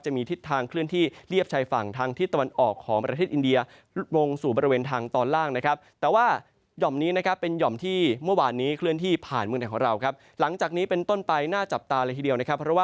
จะมีทิศทางเคลื่อนที่เรียบชายฝั่งทางทิศตะวันออกของประเทศอินเดีย